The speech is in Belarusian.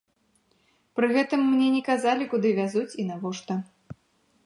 Пры гэтым мне не казалі, куды вязуць і навошта.